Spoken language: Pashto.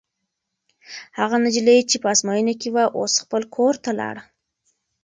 هغه نجلۍ چې په ازموینه کې وه، اوس خپل کور ته لاړه.